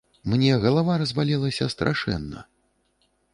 Мне галава разбалелася страшэнна.